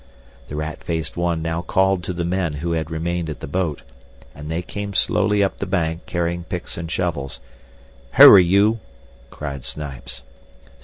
The rat faced one now called to the men who had remained at the boat, and they came slowly up the bank carrying picks and shovels. "Hurry, you!" cried Snipes.